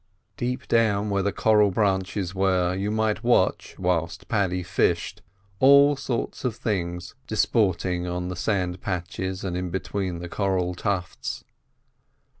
Deep down where the coral branches were you might watch, whilst Paddy fished, all sorts of things disporting on the sand patches and between the coral tufts.